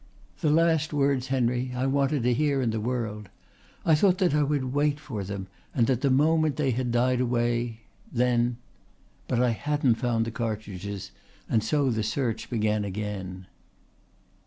"The last words, Henry, I wanted to hear in the world. I thought that I would wait for them and the moment they had died away then. But I hadn't found the cartridges and so the search began again."